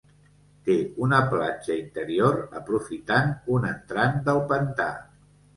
Té una platja interior, aprofitant un entrant del pantà.